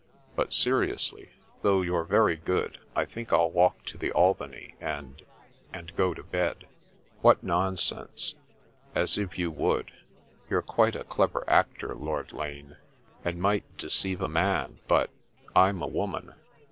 But seriously, though you're very good, I think I'll walk to the Albany, and — and go to bed." " What nonsense I As if you would. You're quite a clever actor. Lord Lane, and might deceive a man, but — I'm a woman.